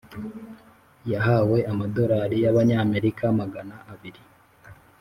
yahawe amadorari y amanyamerika magana abiri